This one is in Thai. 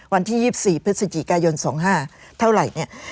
วันที่๒๔พฤศจิกายน๒๕เท่าไหร่เนี่ย